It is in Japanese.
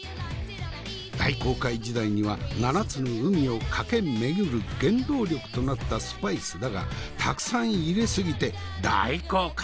大航海時代には七つの海を駆け巡る原動力となったスパイスだがたくさん入れ過ぎて大後悔！